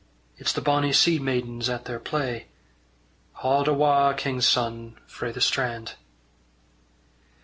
It's the bonny sea maidens at their play Haud awa', king's son, frae the strand.